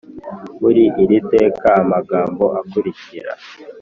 Muri iri teka amagambo akurikira